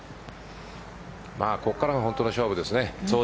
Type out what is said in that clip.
ここからは本当の勝負です。